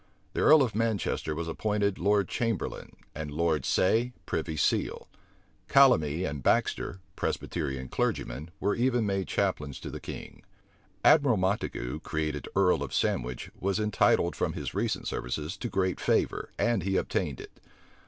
The earl of Manchester was appointed lord chamberlain, and Lord Say, privy seal. Calamy and Baxter, Presbyterian clergymen, were even made chaplains to the king. Admiral Montague, created earl of Sandwich, was entitled from his recent services to great favor; and he obtained it.